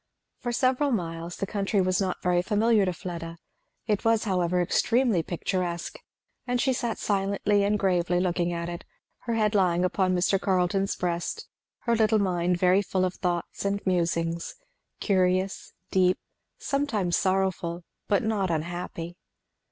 For several miles the country was not very familiar to Fleda. It was however extremely picturesque; and she sat silently and gravely looking at it, her head lying upon Mr. Carleton's breast, her little mind very full of thoughts and musings, curious, deep, sometimes sorrowful, but not unhappy.